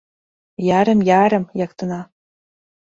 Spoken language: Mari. Ярым-ярым, яктена.